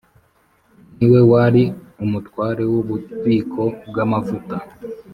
Ni we wari umutware w ububiko bw amavuta